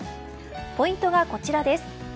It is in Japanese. ポイントはこちら。